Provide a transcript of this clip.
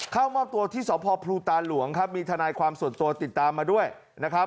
เข้ามอบตัวที่สพพลูตาหลวงครับมีทนายความส่วนตัวติดตามมาด้วยนะครับ